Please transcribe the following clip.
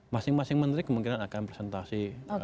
masing masing menteri kemungkinan akan presentasi